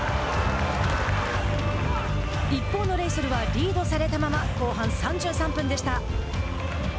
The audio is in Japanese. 一方のレイソルはリードされたまま後半３３分でした。